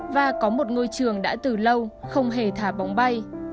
và có một ngôi trường đã từ lâu không hề thả bóng bay